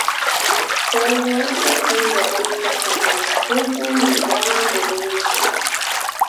Kay wacha punchapimi tantanakushpa minkaman rikrinchi